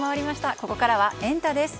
ここからはエンタ！です。